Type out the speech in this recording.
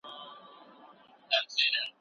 د څلورم منزل له لوړوالي څخه سړک ډېر لرې ښکارېده.